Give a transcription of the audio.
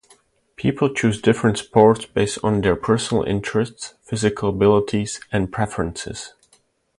People choose different sports based on their personal interests, physical abilities, and preferences.